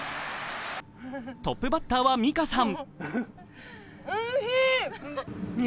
トップバッターはミカさん。